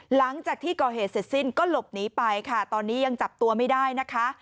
หลังจากที่ก่อเหตุเสร็จสิ้นก็หลบหนีไปค่ะตอนนี้ยังจับตัวไม่ได้นะคะ